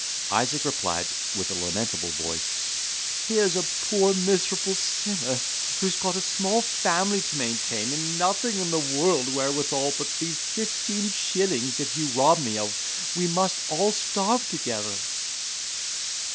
Isaac replied, with a lamentable voice, "Here's a poor miserable sinner, who has got a small family to maintain, and nothing in the world wherewithal, but these fifteen shillings which if you rob me of we must all starve together."